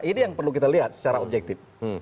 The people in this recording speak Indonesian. ini yang perlu kita lihat secara objektif